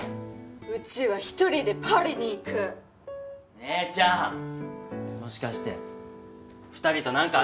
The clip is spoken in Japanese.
うちは１人でパリに行く姉ちゃんもしかして２人と何かあったん？